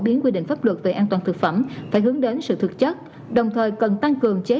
biến quy định pháp luật về an toàn thực phẩm phải hướng đến sự thực chất đồng thời cần tăng cường chế